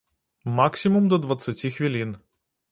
Максімум да дваццаці хвілін.